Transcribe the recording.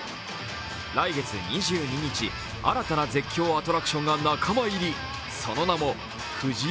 来月２２日、新たな絶叫アトラクションが仲間入り。